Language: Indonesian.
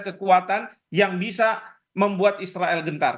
kekuatan yang bisa membuat israel gentar